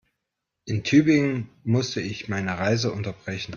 In Tübingen musste ich meine Reise unterbrechen